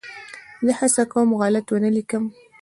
زه هڅه کوم غلط ونه ولیکم.